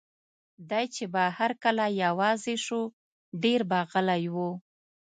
دی چې به هر کله یوازې شو، ډېر به غلی و.